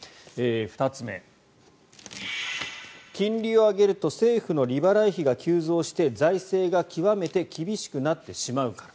２つ目、金利を上げると政府の利払い費が急増して財政が極めて厳しくなってしまうから。